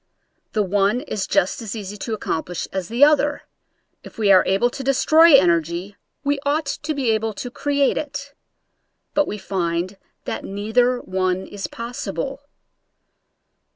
The one is just as easy to accomplish as the other — if we are able to destroy energy we ought to be able to create it; but we find that neither one is possible.